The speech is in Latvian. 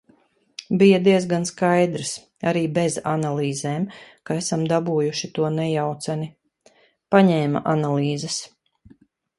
Bija diezgan skaidrs, arī bez analīzēm, ka esam dabūjuši to nejauceni. Paņēma analīzes.